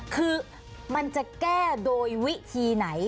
คือมันจะแก้โดยวิธีไหน